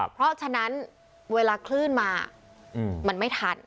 เพราะฉะนั้นเวลาคลื่นมามันไม่ทัน